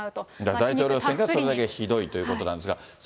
大統領選挙がそれだけひどいということなんですが。